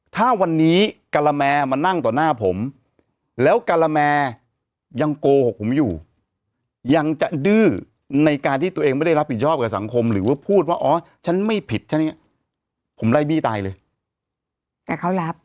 ถ้าวันนี้กะละแมมานั่งต่อหน้าผมแล้วการาแมยังโกหกผมอยู่ยังจะดื้อในการที่ตัวเองไม่ได้รับผิดชอบกับสังคมหรือว่าพูดว่าอ๋อฉันไม่ผิดฉันเนี่ยผมไล่บี้ตายเลยแต่เขารับ